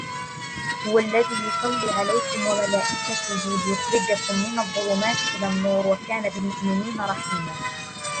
هو الذي يصلي عليكم وملائكته ليخرجكم من الظلمات إلى النور وكان بالمؤمنين رحيما